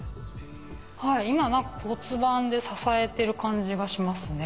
今何か骨盤で支えてる感じがしますね。